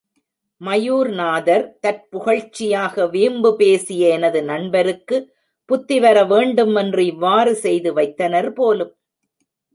மயூர்நாதர், தற்புகழ்ச்சியாக வீம்பு பேசிய எனது நண்பருக்கு புத்தி வர வேண்டும் என்று இவ்வாறு செய்து வைத்தனர் போலும்.